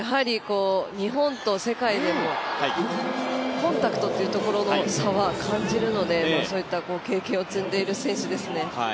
日本と、世界でコンタクトっていうところの差は感じるので、そういった経験を感じる選手ですね。